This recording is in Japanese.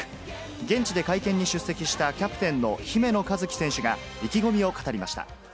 現地で会見に出席した、キャプテンの姫野和樹選手が意気込みを語りました。